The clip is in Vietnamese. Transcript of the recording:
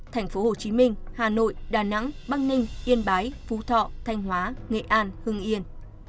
thành phố hồ chí minh hà nội đà nẵng bắc ninh yên bái phú thọ thanh hóa nghệ an hưng yên